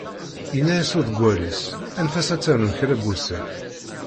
Yenna-as uḍeggal-is, anef-as ad ternu kra n wussan.